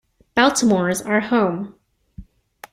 Baltimore's our home.